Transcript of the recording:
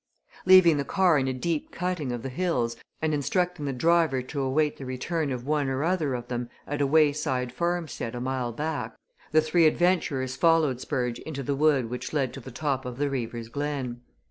Leaving the car in a deep cutting of the hills and instructing the driver to await the return of one or other of them at a wayside farmstead a mile back, the three adventurers followed Spurge into the wood which led to the top of the Beaver's Glen.